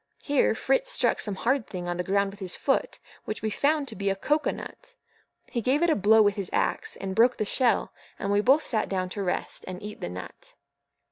Here Fritz struck some hard thing on the ground with his foot, which we found to be a CO COA NUT. He gave it a blow with his axe, and broke the shell, and we both sat down to rest, and eat the nut.